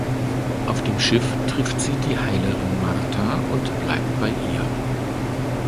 Auf dem Schiff trifft sie die Heilerin Martha und bleibt bei ihr.